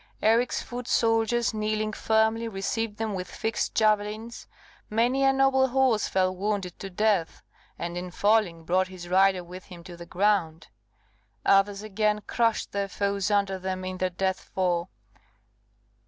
Eric's foot soldiers, kneeling firmly, received them with fixed javelins many a noble horse fell wounded to death, and in falling brought his rider with him to the ground; others again crushed their foes under them in their death fall.